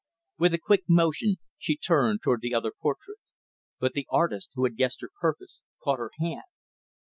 With a quick motion, she turned toward the other portrait. But the artist, who had guessed her purpose, caught her hand.